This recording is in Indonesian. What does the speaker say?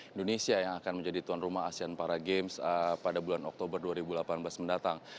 indonesia yang akan menjadi tuan rumah asean para games pada bulan oktober dua ribu delapan belas mendatang